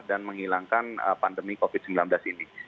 dan menghilangkan pandemi covid sembilan belas ini